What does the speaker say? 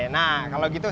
nah kalau gitu